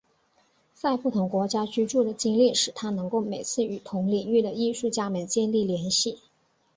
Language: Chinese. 在不同国家居住的经历使他能够每次与同领域的艺术家们建立联系。